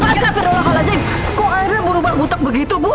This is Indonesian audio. pasang perolak oladzim kok airnya berubah buta begitu bu